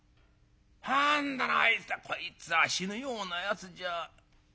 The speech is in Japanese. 変だなあいつはこいつは死ぬようなやつじゃ。